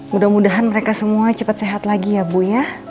mudah mudahan mereka semua cepat sehat lagi ya bu ya